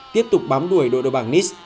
tiếp tục bám đuổi đội đội bảng nice